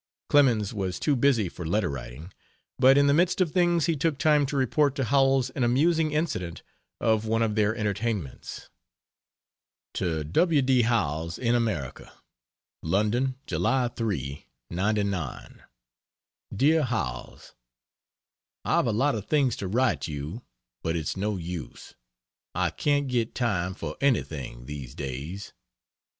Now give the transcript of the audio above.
Clemens was too busy for letter writing, but in the midst of things he took time to report to Howells an amusing incident of one of their entertainments. To W. D. Howells, in America: LONDON, July 3, '99 DEAR HOWELLS, ..... I've a lot of things to write you, but it's no use I can't get time for anything these days.